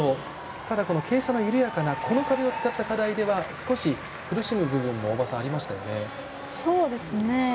ただ、傾斜が緩やかなこの壁を作った課題では少し苦しむ部分もありましたよね。